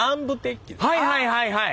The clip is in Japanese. はいはいはいはい。